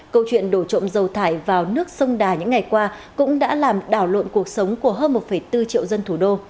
câu chuyện đổ trộm dầu thải vào nước sông đà những ngày qua cũng đã làm đảo lộn cuộc sống của hơn một bốn triệu dân thủ đô